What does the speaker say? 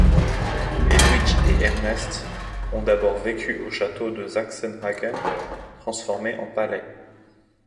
Hedwige et Ernest ont d'abord vécu au château de Sachsenhagen, transformé en palais.